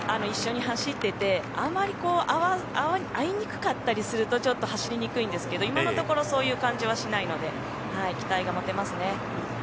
一緒に走っててあまり合いにくかったりするとちょっと走りにくいんですけど今のところそういう感じはしないので期待が持てますね。